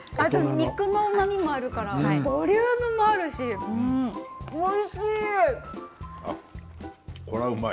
肉のうまみもあるからボリュームもあるしこれはうまい。